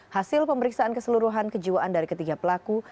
hasil pemeriksaan keseluruhan kejiwaan dari ketiga pelaku